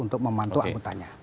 untuk memantulah anggotanya